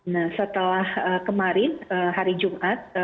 nah setelah kemarin hari jumat